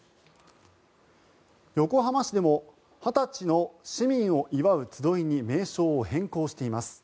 横浜市でも「二十歳の市民を祝うつどい」に名称を変更しています。